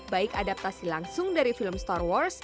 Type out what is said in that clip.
baik adaptasi langsung dari film star wars